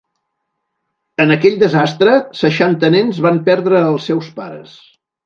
En aquell desastre, seixanta nens van perdre els seus pares.